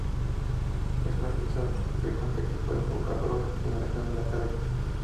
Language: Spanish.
Es una afección frecuente que provoca dolor en la región de la cadera.